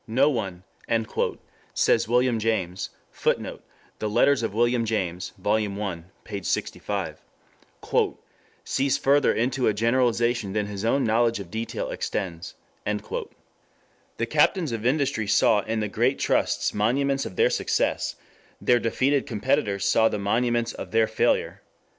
"No one," says William James, [Footnote: The Letters of William James, Vol. I, p.65] "sees further into a generalization than his own knowledge of detail extends." The captains of industry saw in the great trusts monuments of (their) success; their defeated competitors saw the monuments of (their) failure.